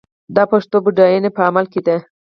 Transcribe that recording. د پښتو بډاینه په عمل کې ده.